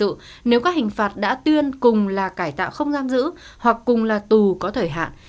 nếu các hình phạt đã tuyên cùng là cải tạo không giam giữ hoặc cùng là tù có thời hạn